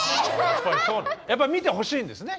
やっぱ見てほしいんですね